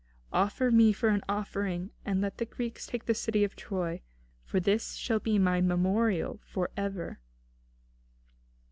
Offer me for an offering; and let the Greeks take the city of Troy, for this shall be my memorial for ever."